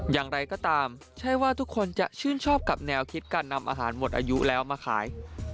อย่างไรก็ตามใช่ว่าทุกคนจะชื่นชอบกับแนวคิดการนำอาหารหมดอายุแล้วมาขาย